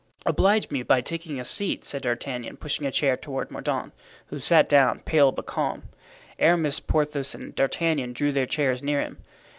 "Oblige me by taking a seat," said D'Artagnan, pushing a chair toward Mordaunt, who sat down, pale but calm. Aramis, Porthos and D'Artagnan drew their chairs near him.